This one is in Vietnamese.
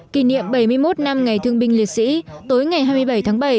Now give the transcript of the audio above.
kỷ niệm bảy mươi một năm ngày thương binh liệt sĩ tối ngày hai mươi bảy tháng bảy